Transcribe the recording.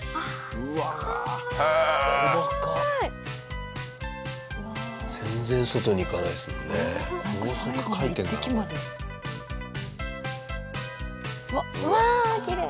うわきれい！